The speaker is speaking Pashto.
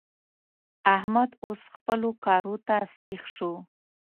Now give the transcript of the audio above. احمد اوس خپلو کارو ته سيخ شو.